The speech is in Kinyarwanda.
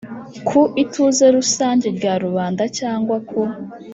Ku ituze rusange rya rubanda cyangwa ku